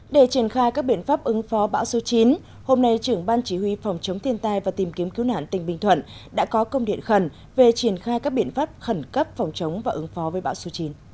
để triển khai các biện pháp ứng phó bão số chín hôm nay trưởng ban chỉ huy phòng chống thiên tai và tìm kiếm cứu nạn tỉnh bình thuận đã có công điện khẩn về triển khai các biện pháp khẩn cấp phòng chống và ứng phó với bão số chín